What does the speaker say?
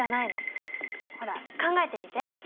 ほら考えてみて。